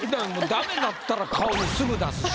ダメだったら顔にすぐ出すし。